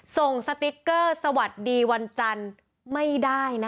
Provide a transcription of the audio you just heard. สติ๊กเกอร์สวัสดีวันจันทร์ไม่ได้นะ